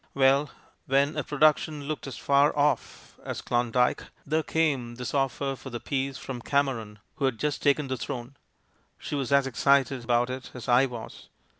"Well, when a production looked as far off as FRANKENSTEIN II 61 Klondyke, there came this offer for the piece from Cameron, who had just taken the Throne. She was as excited about it as I was.